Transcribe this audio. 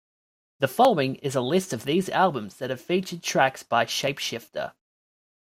The following is a list of these albums that have featured tracks by Shapeshifter.